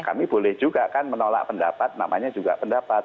kami boleh juga kan menolak pendapat namanya juga pendapat